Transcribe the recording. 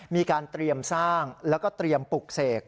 มีการเตรียมสร้างแล้วก็เตรียมปลุกเสก